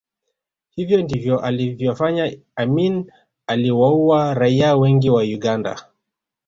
Hivyo ndivyo alivyofanya Amin aliwaua raia wengi wa Uganda